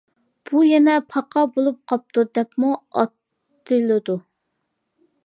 بۇ يەنە پاقا بولۇپ قاپتۇ دەپمۇ ئاتىلىدۇ.